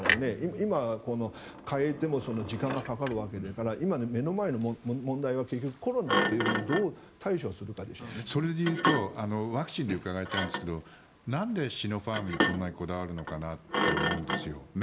今、時間を変えても時間がかかるわけだから今、目の前の問題は結局コロナというものにそれでいうとワクチンで伺いたいんですがなんでシノファームにこんなにこだわるのかなと思うんですよ。